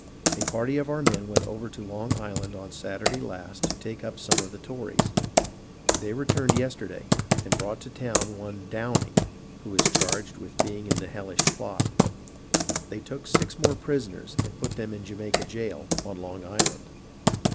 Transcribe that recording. A party of our men went over to Long Island on Saturday last to take up some of the Tories ; they re turned yesterday, and brought to town one Downing, who is charged with being in the hellish plot. They took six more prisoners and put them in Jamaica jail, on Long Island.